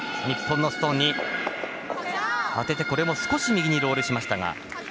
日本のストーンに当てて少し右にロールしましたが。